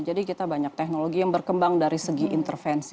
jadi kita banyak teknologi yang berkembang dari segi intervensi